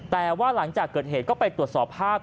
แต่ว่าหลังจากเกิดเหตุก็ไปตรวจสอบภาพ